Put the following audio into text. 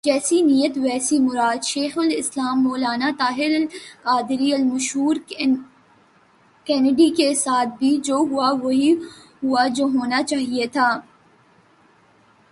جیسی نیت ویسی مراد ، شیخ الاسلام مولانا طاہرالقادری المشور کینڈیوی کے ساتھ بھی جو ہوا ، وہی ہوا ، جو ہونا چاہئے تھا ۔